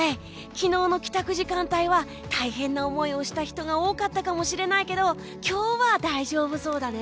昨日の帰宅時間帯は大変な思いをした人が多かったかもしれないけど今日は大丈夫そうだね。